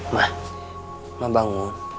ma ma bangun